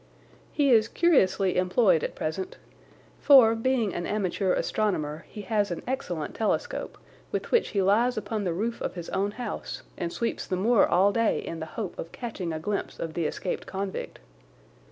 He is curiously employed at present, for, being an amateur astronomer, he has an excellent telescope, with which he lies upon the roof of his own house and sweeps the moor all day in the hope of catching a glimpse of the escaped convict.